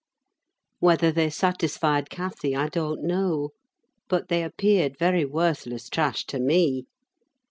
Whether they satisfied Cathy I don't know; but they appeared very worthless trash to me.